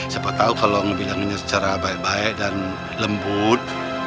siapa tau kalau ngebilanginnya secara baik baik dan lembut